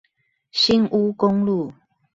新烏公路